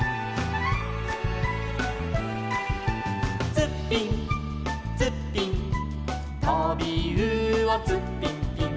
「ツッピンツッピン」「とびうおツッピンピン」